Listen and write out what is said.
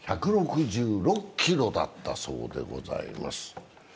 １６６キロだったそうでございます。